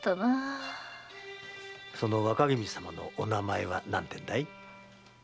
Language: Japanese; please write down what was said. その若君様のお名前は何ていうんだい？